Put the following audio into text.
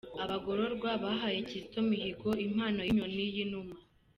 Abagororwa bahaye Kizito Mihigo impano y’Inyoni y’Inuma.